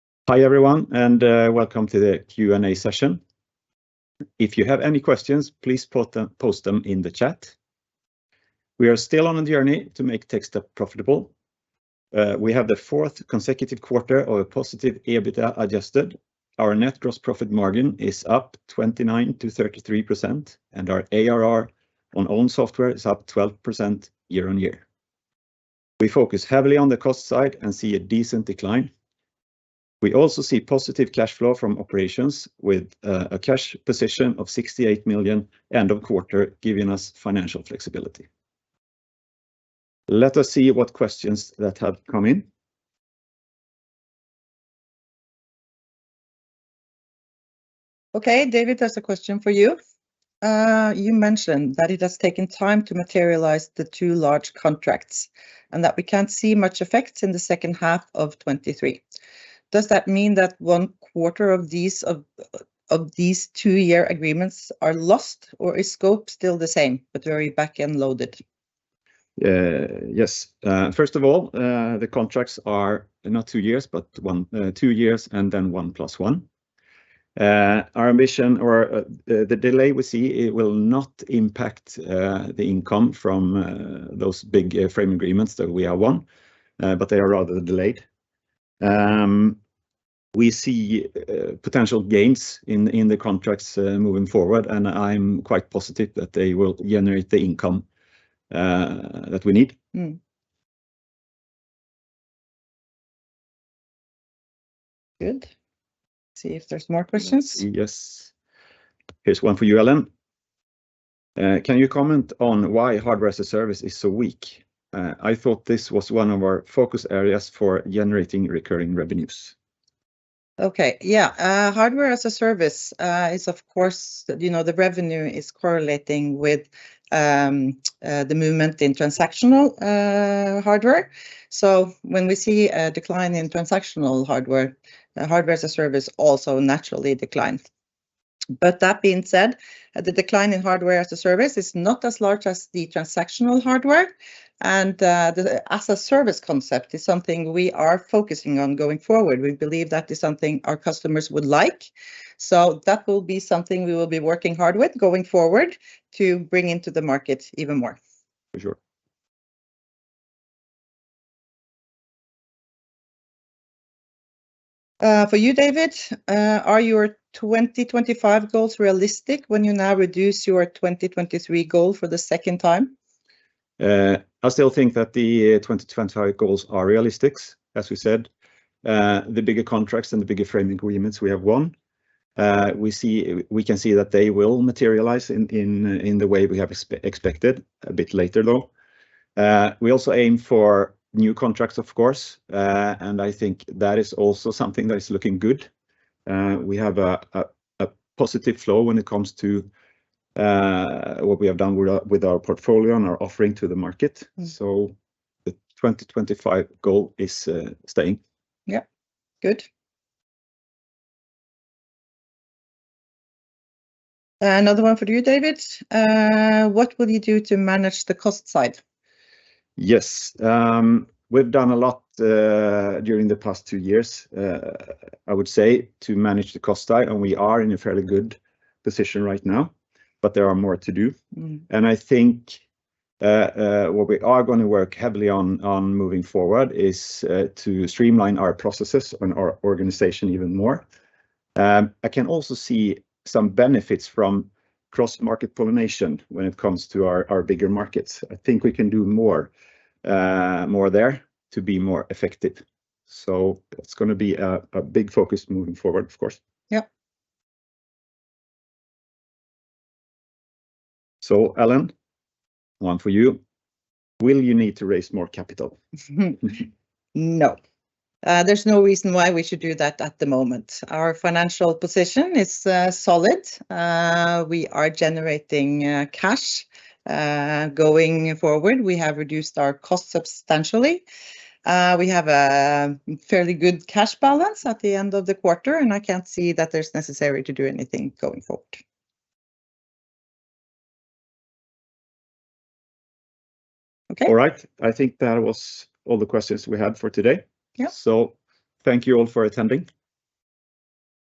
Hi, everyone, and welcome to the Q&A session. If you have any questions, please post them in the chat. We are still on a journey to make Techstep profitable. We have the fourth consecutive quarter of a positive EBITDA adjusted. Our net gross profit margin is up 29%-33%, and our ARR on own software is up 12% year-on-year. We focus heavily on the cost side and see a decent decline. We also see positive cash flow from operations with a cash position of 68 million end of quarter, giving us financial flexibility. Let us see what questions that have come in. Okay, David, there's a question for you. You mentioned that it has taken time to materialize the two large contracts, and that we can't see much effect in the second half of 2023. Does that mean that one quarter of these two-year agreements are lost, or is scope still the same, but very back-end loaded? Yes. First of all, the contracts are not two years, but one... two years, and then 1 + 1. Our ambition or the delay we see, it will not impact the income from those big frame agreements that we have won, but they are rather delayed. We see potential gains in the contracts moving forward, and I'm quite positive that they will generate the income that we need. Good. See if there's more questions. Yes. Here's one for you, Ellen. Can you comment on why hardware as a service is so weak? I thought this was one of our focus areas for generating recurring revenues. Okay, yeah. Hardware as a service is, of course, you know, the revenue is correlating with the movement in transactional hardware. So when we see a decline in transactional hardware, the hardware as a service also naturally decline. But that being said, the decline in hardware as a service is not as large as the transactional hardware, and the as a service concept is something we are focusing on going forward. We believe that is something our customers would like, so that will be something we will be working hard with going forward to bring into the market even more. For sure. For you, David, are your 2025 goals realistic when you now reduce your 2023 goal for the second time? I still think that the 2025 goals are realistic. As we said, the bigger contracts and the bigger frame agreements we have won, we can see that they will materialize in the way we have expected, a bit later, though. We also aim for new contracts, of course, and I think that is also something that is looking good. We have a positive flow when it comes to what we have done with our portfolio and our offering to the market. Mm. The 2025 goal is staying. Yeah. Good. Another one for you, David. What will you do to manage the cost side? Yes, we've done a lot during the past two years, I would say, to manage the cost side, and we are in a fairly good position right now, but there are more to do. Mm. I think what we are gonna work heavily on moving forward is to streamline our processes and our organization even more. I can also see some benefits from cross-market pollination when it comes to our bigger markets. I think we can do more there to be more effective. So that's gonna be a big focus moving forward, of course. Yep. So, Ellen, one for you: Will you need to raise more capital? No. There's no reason why we should do that at the moment. Our financial position is solid. We are generating cash. Going forward, we have reduced our costs substantially. We have a fairly good cash balance at the end of the quarter, and I can't see that there's necessary to do anything going forward. Okay. All right. I think that was all the questions we had for today. Yeah. Thank you all for attending.